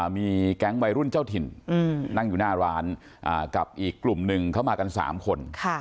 มีแก๊งวัยรุ่นเจ้าถิ่นนั่งอยู่หน้าร้านกับอีกกลุ่มหนึ่งเข้ามากัน๓คน